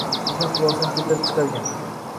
degan xulosani keltirib chiqargan